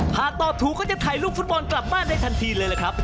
หากตอบถูกก็จะถ่ายรูปฟุตบอลกลับบ้านได้ทันทีเลยล่ะครับ